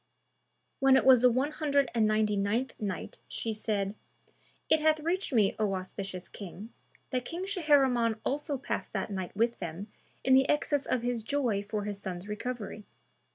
When it was the One Hundred and Ninety ninth Night, She said, It hath reached me, O auspicious King, that King Shahriman also passed that night with them in the excess of his joy for his son's recovery.